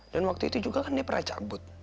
dan dia juga pernah cabut